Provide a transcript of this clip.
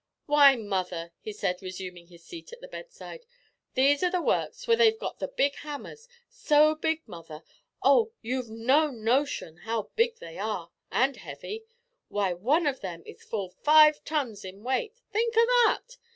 "Why, mother," he said, resuming his seat at the bedside, "these are the works where they've got the big hammers so big, mother; oh! you've no notion how big they are, and heavy. Why, one of 'em is full five tons in weight think o' that!